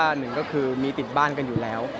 หนึ่งก็คือมีติดบ้านกันอยู่แล้ว